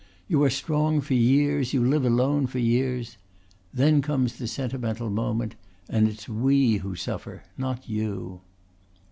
You are strong for years. You live alone for years. Then comes the sentimental moment and it's we who suffer, not you."